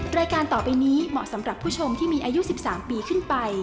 รายการต่อไปนี้เหมาะสำหรับผู้ชมที่มีอายุ๑๓ปีขึ้นไป